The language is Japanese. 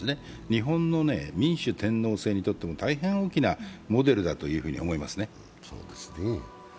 日本の民主天皇制にとっても大変大きなモデルだと思いますね。